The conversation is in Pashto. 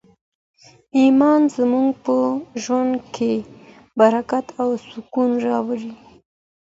ایمان زموږ په ژوند کي برکت او سکون راولي.